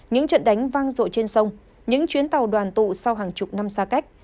những trận đánh vang rội trên sông những chuyến tàu đoàn tụ sau hàng chục năm xa cách